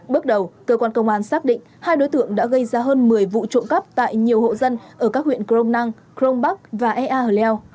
bước đầu cơ quan công an xác định hai đối tượng đã gây ra hơn một mươi vụ trộm cắp tại nhiều hộ dân ở các huyện crom năng crong bắc và ea hờ leo